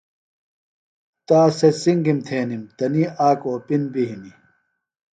تا سےۡ څِنگیۡ تھینِم۔ تنی آک اوپِن بیۡ ہِنیۡ۔